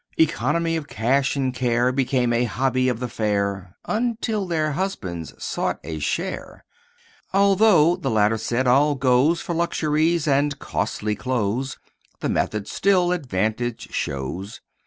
Economy of cash and care Became a hobby of the fair, Until their husbands sought a share. "Although," the latter said, "all goes For luxuries and costly clothes, The method still advantage shows.